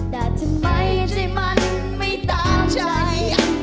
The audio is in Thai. แต่ทำไมที่มันไม่ตามใจ